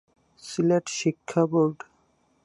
সিলেট শিক্ষা বোর্ড